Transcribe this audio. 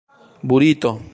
burito